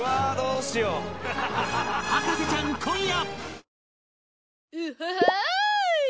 『博士ちゃん』今夜！